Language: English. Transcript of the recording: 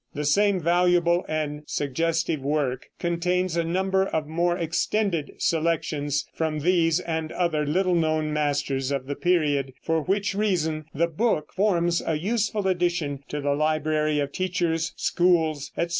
The same valuable and suggestive work contains a number of more extended selections from these and other little known masters of the period, for which reason the book forms a useful addition to the library of teachers, schools, etc.